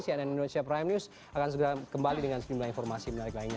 cnn indonesia prime news akan segera kembali dengan sejumlah informasi menarik lainnya